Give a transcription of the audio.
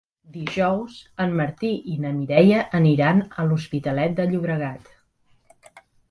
Dijous en Martí i na Mireia aniran a l'Hospitalet de Llobregat.